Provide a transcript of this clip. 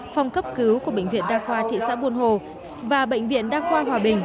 phòng cấp cứu của bệnh viện đa khoa thị xã buôn hồ và bệnh viện đa khoa hòa bình